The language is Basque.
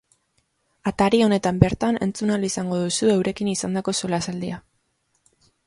Atari honetan bertan entzun ahal izango duzu eurekin izandako solasaldia.